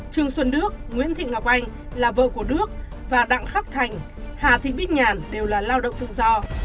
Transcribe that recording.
trương xuân đức nguyễn thị ngọc anh là vợ của đức và đặng khắc thành hà thị bích nhàn đều là lao động tự do